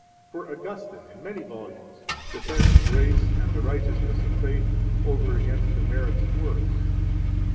For 13 Augustine, in many volumes, defends grace and the righteousness of faith, over against the merits of works.